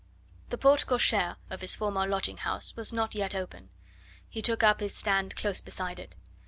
The porte cochere of his former lodging house was not yet open; he took up his stand close beside it.